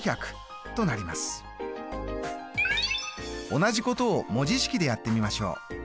同じことを文字式でやってみましょう。